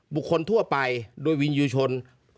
บุคคลทั่วไปโดยวินยูชน